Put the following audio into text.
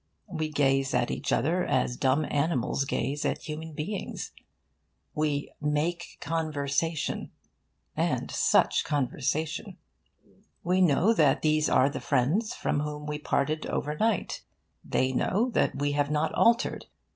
We gaze at each other as dumb animals gaze at human beings. We 'make conversation' and such conversation! We know that these are the friends from whom we parted overnight. They know that we have not altered.